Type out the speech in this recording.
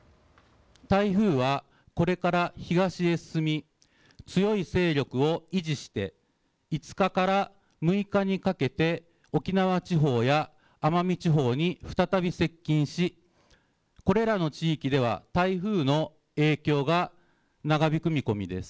台風はこれから東へ進み強い勢力を維持して５日から６日にかけて沖縄地方や奄美地方に再び接近しこれらの地域では台風の影響が長引く見込みです。